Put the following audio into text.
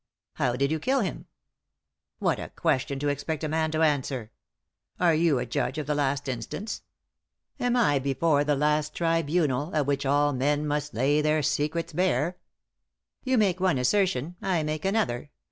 " How did you kill him ?"" What a question to expect a man to answer I Are you a judge of the last instance ? Am I before the last tribunal, at which all men must lay their secrets bare ?"" You make one assertion, I make another.